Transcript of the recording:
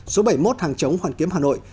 số bảy mươi một hàng chống hoàn kiếm hà nội